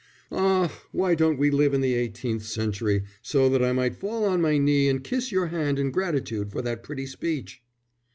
"Ah, why don't we live in the eighteenth century so that I might fall on my knee and kiss your hand in gratitude for that pretty speech!"